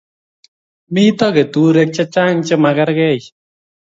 Mito keturek chechang che makargei